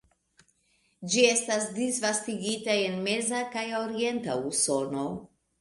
Ĝi estas disvastigita en meza kaj orienta Usono.